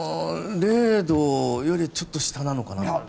０度よりちょっと下なのかなって。